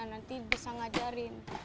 nanti bisa mengajarin